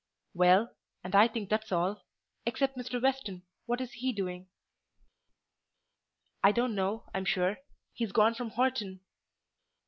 "Well, and I think that's all—except Mr. Weston: what is he doing?" "I don't know, I'm sure. He's gone from Horton."